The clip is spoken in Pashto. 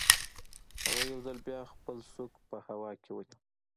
هغه یو ځل بیا خپله سوک په هوا کې ونیو